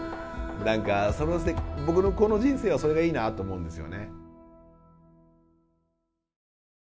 何か僕のこの人生はそれがいいなと思うんですよね。